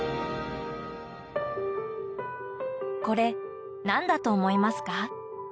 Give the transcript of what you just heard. これなんだと思いますか？